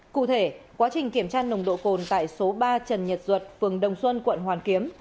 cụ thể quá trình kiểm tra nồng độ cồn tại số ba trần nhật duật phường đồng xuân quận hoàn kiếm